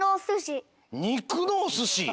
にくのおすし！？